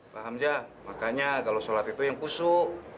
pak hamzah makanya kalau sholat itu yang kusuk